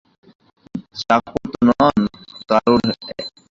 চাকর তো নন কারো, অ্যাঁ?